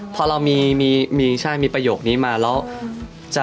พอเรามีประโยคนี้มาแล้ว